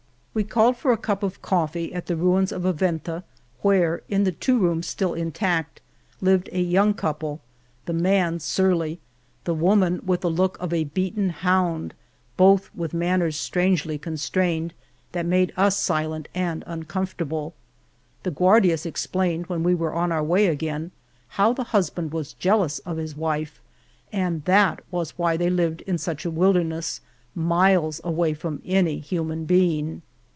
We called for a cup of coffee at the ruins of a Venta where, in the 217 Venta de Cardenas two rooms still intact lived a young couple, the man surly, the woman with the look of a beaten hound, both with manners strangely constrained that made us silent and uncom fortable. The Guardias explained, when we were on our way again, how the husband was jealous of his wife, and that was why they lived in such a wilderness, miles away from any human being.